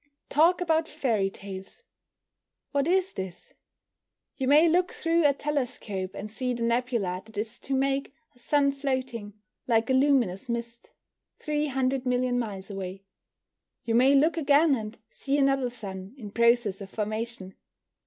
Talk about fairy tales! what is this? You may look through a telescope, and see the nebula that is to make a sun floating, like a luminous mist, three hundred million miles away. You may look again, and see another sun in process of formation.